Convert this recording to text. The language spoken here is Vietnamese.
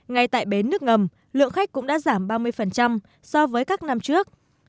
ngay tại bến nước ngầm lượng khách cũng đã giảm ba mươi so với các năm trước